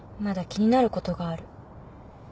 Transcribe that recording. まだ気になることがある。